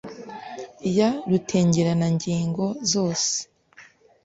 Ya rutengerana ngingo zose